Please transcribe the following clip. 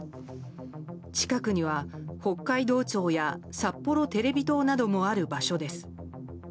近くには北海道庁やさっぽろテレビ塔などもある場所です。